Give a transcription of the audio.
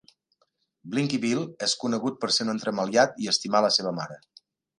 Blinky Bill és conegut per ser un entremaliat i estimar a la seva mare.